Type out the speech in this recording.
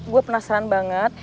gue penasaran banget